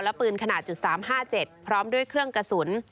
และปืนขนาด๓๕๗พร้อมด้วยเครื่องกระสุน